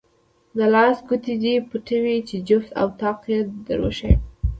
د لاس ګوتې دې پټوې چې جفت او طاق یې دروښایم.